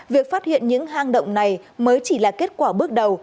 việc phát hiện những hang động này mới chỉ là kết quả bước đầu